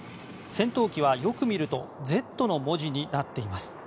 戦闘機はよく見ると「Ｚ」の文字になっています。